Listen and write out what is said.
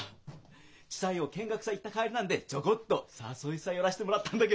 地裁を見学さ行った帰りなんでちょごっと誘いさ寄らしてもらったんだ